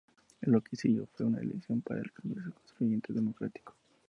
Lo que siguió fue una elección para el Congreso Constituyente Democrático.